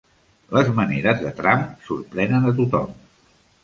Les maneres de Trump sorprenen a tothom